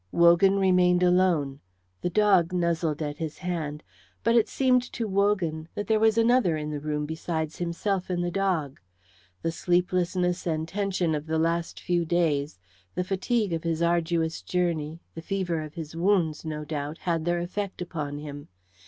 Wogan remained alone; the dog nuzzled at his hand; but it seemed to Wogan that there was another in the room besides himself and the dog. The sleeplessness and tension of the last few days, the fatigue of his arduous journey, the fever of his wounds, no doubt, had their effect upon him.